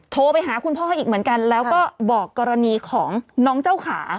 โทรไปหาคุณพ่ออีกเหมือนกันแล้วก็บอกกรณีของน้องเจ้าขา